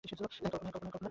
হ্যাঁ, কল্পনা।